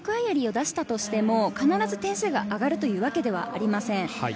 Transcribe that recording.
インクワイアリーを出したとしても必ず点数が上がるわけではありません。